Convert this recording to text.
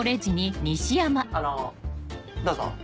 あのどうぞ。